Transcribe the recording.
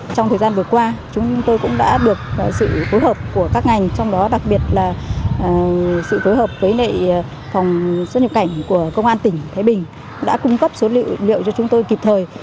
trong thời gian vừa qua chúng tôi cũng đã được sự phối hợp của các ngành trong đó đặc biệt là sự phối hợp với lệ phòng xuất nhập cảnh của công an tỉnh thái bình đã cung cấp số liệu liệu cho chúng tôi kịp thời